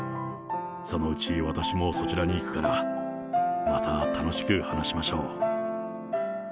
そのうち私もそちらに行くから、また楽しく話しましょう。